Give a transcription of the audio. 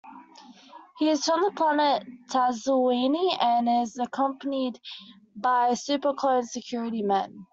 He is from the planet Tadsilweny and is accompanied by "superclone" security men.